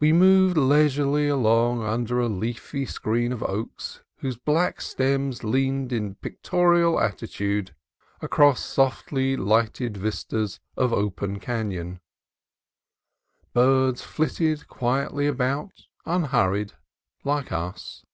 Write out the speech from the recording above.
We moved leisurely along under a leafy screen of oaks whose black stems leaned in pictorial attitudes across softly lighted vistas of open canon. Birds flitted quietly about, unhurried, like us.